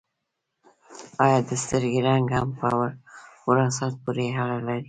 ایا د سترګو رنګ هم په وراثت پورې اړه لري